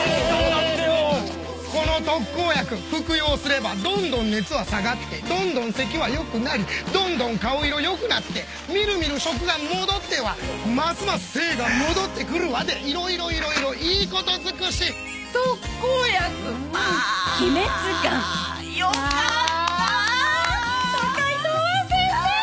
この特効薬服用すればどんどん熱は下がってどんどんせきはよくなりどんどん顔色よくなってみるみる食が戻ってわますます精が戻ってくるわでいろいろいろいろいいこと尽くし特効薬あぁ鬼滅丸よかったわ酒井東庵先生